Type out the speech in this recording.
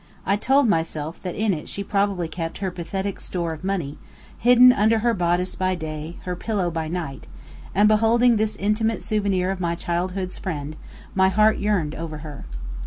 I told myself that in it she probably kept her pathetic store of money, hidden under her bodice by day, her pillow by night; and beholding this intimate souvenir of my childhood's friend, my heart yearned over her.